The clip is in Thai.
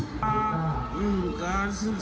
เขามาแกล้งเหรอ